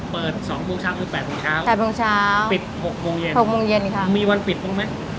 เปิด๒โมงเช้าคือ๘โมงเช้าปิด๖โมงเย็นค่ะมีวันปิดพรุ่งไหม